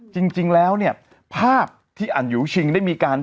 จริงแล้วเนี่ยภาพที่อันยูชิงได้มีการ